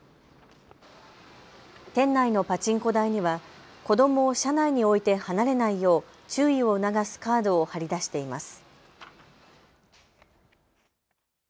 店内のパチンコ台には子どもを車内に置いて離れないよう注意を促すカードを貼りだしています。